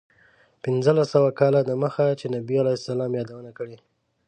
پنځلس سوه کاله دمخه چې نبي علیه السلام یادونه کړې.